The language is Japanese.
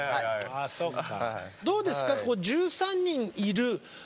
ああそっか。